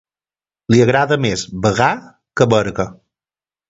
Li agrada més Bagà que Berga.